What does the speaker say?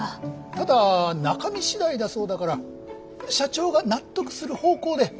ただ中身次第だそうだから社長が納得する方向で引き続き頼むよ。